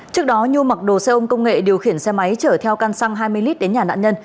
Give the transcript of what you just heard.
trước đó nhu mặc đồ xe ôm công nghệ điều khiển xe máy chở theo căn xăng hai mươi lit đến nhà nạn nhân